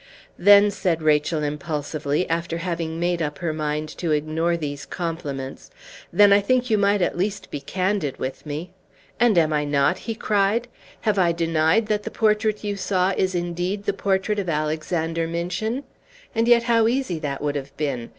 "Then," said Rachel, impulsively, after having made up her mind to ignore these compliments, "then I think you might at least be candid with me!" "And am I not?" he cried. "Have I denied that the portrait you saw is indeed the portrait of Alexander Minchin? And yet how easy that would have been!